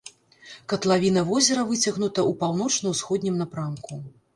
Катлавіна возера выцягнута ў паўночна-ўсходнім напрамку.